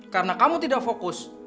karena kamu tidak fokus